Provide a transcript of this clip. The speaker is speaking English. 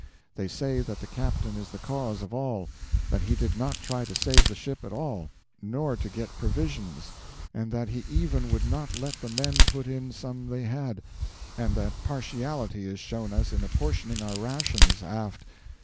They say that the captain is the cause of all; that he did not try to save the ship at all, nor to get provisions, and that even would not let the men put in some they had; and that partiality is shown us in apportioning our rations aft....